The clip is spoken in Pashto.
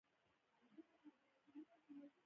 د ویشلو لپاره یې نظارتي ادارې تاسیس کړي.